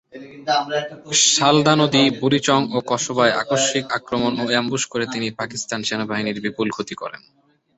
সালদা নদী, বুড়িচং ও কসবায় আকস্মিক আক্রমণ ও অ্যামবুশ করে তিনি পাকিস্তান সেনাবাহিনীর বিপুল ক্ষতি করেন।